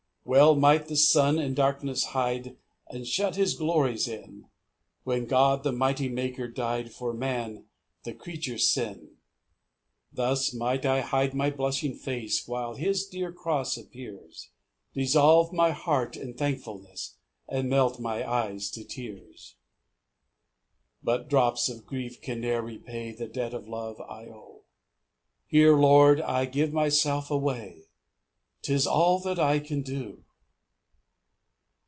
4 Well might the sun in darkness hide, And shut his glories in, When God the mighty Maker dy'd For man the creature's sin. 5 Thus might I hide my blushing face While his dear cross appears, Dissolve my heart in thankfulness, And melt my eyes to tears. 6 But drops of grief can ne'er repay The debt of love I owe; Here, Lord, I give myself away, 'Tis all that I can do.